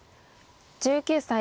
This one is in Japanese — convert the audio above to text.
１９歳。